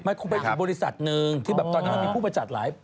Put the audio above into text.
มันคงเป็นถึงบริษัทหนึ่งที่ตอนนี้มีผู้ประจัดหลาย